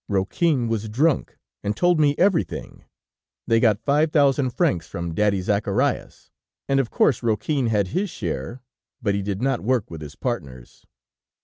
Roquin was drunk, and told me everything.... They got five thousand francs from Daddy Zacharias, and of course Roquin had his share, but he did not work with his partners.